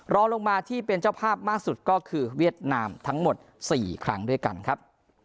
รอลงมาที่เป็นเจ้าภาพมากสุดก็คือเวียดนามทั้งหมด๔ครั้งด้วยกันครับ